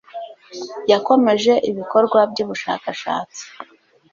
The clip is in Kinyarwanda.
yakomeje ibikorwa byubushakashatsi